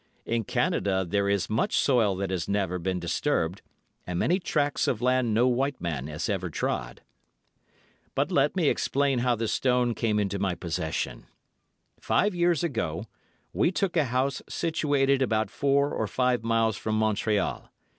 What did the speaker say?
In Canada there is much soil that has never been disturbed, and many tracts of land no white man has ever trod. "But let me explain how the stone came into my possession. Five years ago we took a house situated about four or five miles from Montreal.